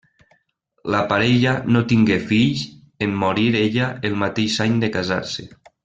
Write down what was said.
La parella no tingué fills en morir ella el mateix any de casar-se.